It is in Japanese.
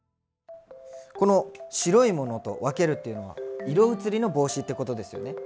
この白いものと分けるっていうのは色移りの防止ってことですよね？